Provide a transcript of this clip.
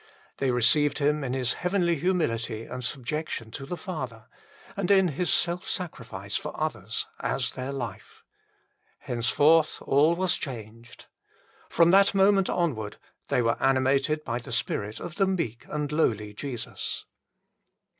They received Him in His heavenly humility and subjection to the Father, and in His self sacrifice for others, as their life. Hence forth all was changed. From that moment onwards they were animated by the spirit of the meek and lowly Jesus.